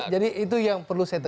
jadi itu yang perlu saya tegaskan